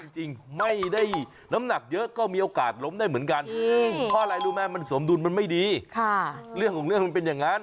จริงไม่ได้น้ำหนักเยอะก็มีโอกาสล้มได้เหมือนกัน